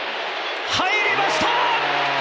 入りました！